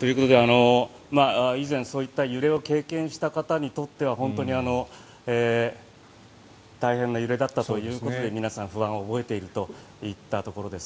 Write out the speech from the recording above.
ということで以前、そういった揺れを経験した方にとっては本当に大変な揺れだったということで皆さん、不安を覚えているといったところです。